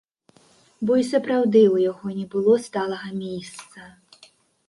Бо і сапраўды ў яго не было сталага мейсца.